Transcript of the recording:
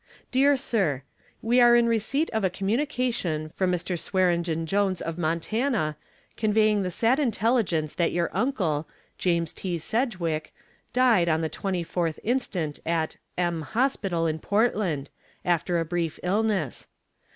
Dear Sir: We are in receipt of a communication from Mr. Swearengen Jones of Montana, conveying the sad intelligence that your uncle, James T. Sedgwick, died on the 24th inst. at M Hospital in Portland, after a brief illness.